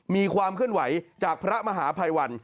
มีความเคลื่อนไหวจากพระมหาภัยวัน